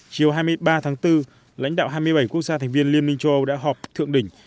chiều hai mươi ba tháng bốn lãnh đạo hai mươi bảy quốc gia thành viên liên minh châu âu đã họp thượng đỉnh